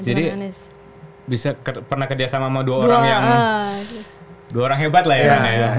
jadi bisa pernah kerjasama sama dua orang yang dua orang hebat lah ya